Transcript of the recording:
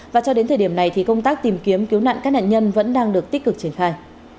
và cho đến thời điểm này thì công tác tìm kiếm cứu nạn các nạn nhân vẫn đang được tích cực triển khai